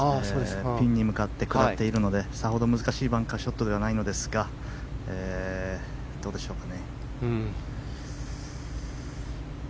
ピンに向かって下っているのでさほど難しいバンカーショットではないんですがどうでしょうか。